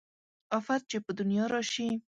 افت چې په دنيا راشي